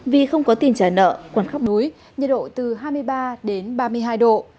vì không có tiền trả nợ quận khắp núi nhiệt độ từ hai mươi ba đến ba mươi hai độ